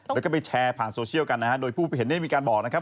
แล้วก็ไปแชร์ผ่านโซเชียลกันนะฮะโดยผู้เห็นได้มีการบอกนะครับ